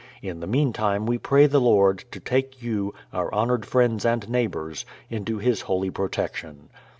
In the meantime we pray the Lord to take you, our honoured friends and neighbours, into His holy protection.